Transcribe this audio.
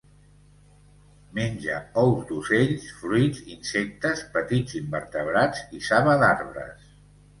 Menja ous d'ocells, fruits, insectes, petits invertebrats i saba d'arbres.